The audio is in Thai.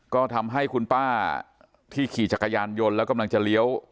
ก็ทำให้คุณป้าที่ขี่จักรยานยนต์แล้วกำลังจะเลี้ยว